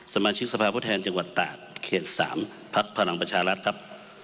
สมาชิกสภาพผู้แทนจังหวัดตากเขต๓พักพลังประชารัฐครับ